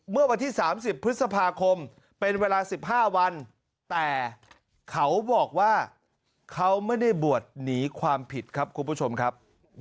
เมื่อวันที่๓๐พฤษภาคมเป็นเวลา๑๕วันแต่เขาบอกว่าเขาไม่ได้บวชหนีความผิดครับคุณผู้ชมครับ